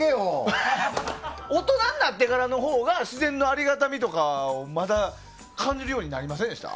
大人になってからのほうが自然のありがたみとかを感じるようになりませんでした？